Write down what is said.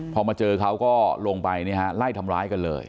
พอมาเจอเขาก็ลงไปไล่ทำร้ายกันเลย